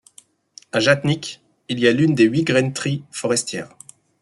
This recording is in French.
À Jatznick, il y a l'une des huit graineteries forestières.